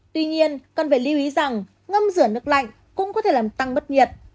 tuy nhiên cần phải lưu ý rằng ngâm rửa nước lạnh cũng có thể làm tăng bất nhiệt